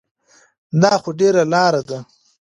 دا خو ډېره لاره ده.